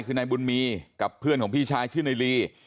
คือนายบุญมีกับเพื่อนของพี่ชายชื่อนายลี